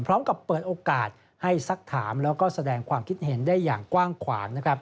พร้อมกับเปิดโอกาสให้สักถามแล้วก็แสดงความคิดเห็นได้อย่างกว้างขวาง